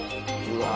「うわ！」